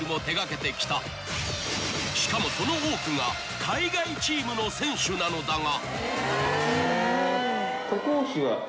［しかもその多くが海外チームの選手なのだが］